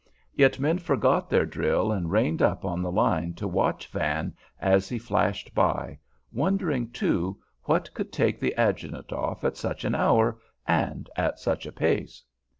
Yet men forgot their drill and reined up on the line to watch Van as he flashed by, wondering, too, what could take the adjutant off at such an hour and at such a pace.